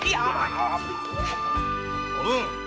おぶん！